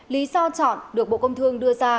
lý do chọn được bộ công thương đưa ra